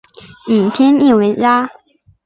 以天地为家